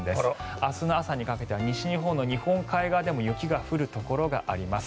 明日の朝にかけては西日本の日本海側でも雪が降るところがあります。